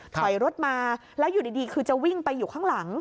ถอยรถมาแล้วอยู่ดีคือจะวิ่งไปอยู่ข้างหลัง